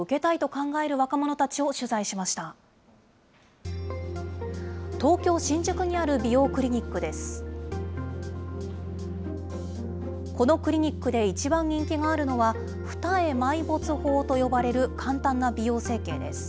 このクリニックで一番人気があるのは、二重埋没法と呼ばれる簡単な美容整形です。